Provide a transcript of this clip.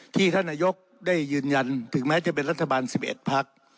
ท่านนายกได้ยืนยันถึงแม้จะเป็นรัฐบาล๑๑พัก